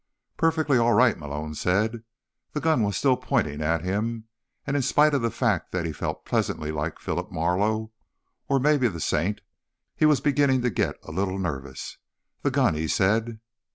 "Perfectly all right," Malone said. The gun was still pointing at him, and in spite of the fact that he felt pleasantly like Philip Marlowe, or maybe the Saint, he was beginning to get a little nervous. "The gun," he said.